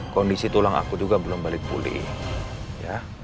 kondisi tulang aku juga belum balik pulih ya